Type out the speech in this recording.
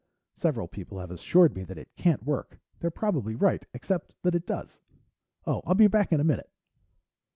Several people have assured me that it can't work. They're probably right, except that it does. Oh, I'll be back in a minute."